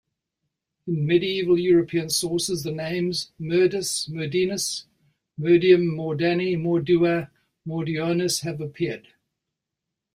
In medieval European sources the names "Merdas, Merdinis, Merdium, Mordani, Mordua, Morduinos" have appeared.